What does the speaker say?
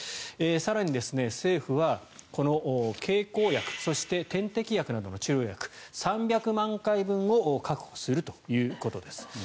更に、政府は経口薬そして、点滴薬などの治療薬３００万回分を確保するということです。